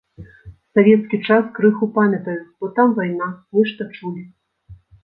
Савецкі час крыху памятаюць, бо там вайна, нешта чулі.